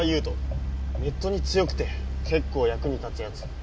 ネットに強くて結構役に立つ奴。